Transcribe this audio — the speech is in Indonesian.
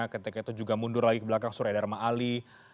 ketika itu juga mundur lagi ke belakang surya dharma ali